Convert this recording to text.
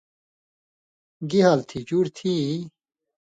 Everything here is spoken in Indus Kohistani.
گی حال تھی جُوڑ تھی یی؟“